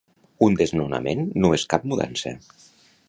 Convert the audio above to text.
Un desnonament no és cap mudança